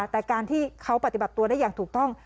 แต่การที่เขาปฏิบัติตัวได้อย่างถูกต้อง